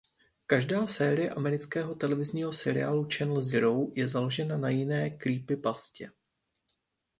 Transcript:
Každá série amerického televizního seriálu "Channel Zero" je založená na jiné creepypastě.